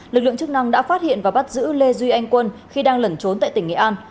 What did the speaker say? lực lượng chức năng đã phát hiện và bắt giữ lê duy anh quân khi đang lẩn trốn tại tỉnh nghệ an